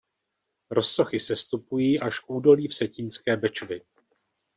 Rozsochy sestupují až k údolí Vsetínské Bečvy.